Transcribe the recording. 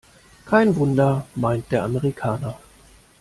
Kein Wunder, meint der Amerikaner.